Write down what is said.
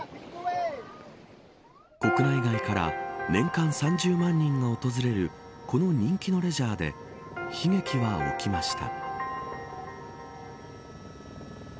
国内外から年間３０万人が訪れるこの人気のレジャーで悲劇は起きました。